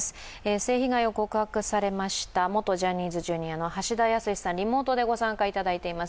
性加害を告白されました元ジャニーズＪｒ．の橋田康さん、リモートでご参加いただいています。